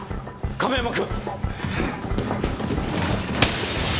亀山君！